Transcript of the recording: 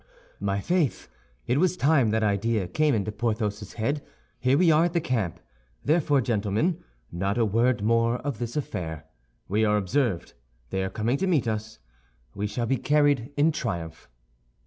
"My faith, it was time that idea came into Porthos's head. Here we are at the camp; therefore, gentlemen, not a word more of this affair. We are observed; they are coming to meet us. We shall be carried in triumph."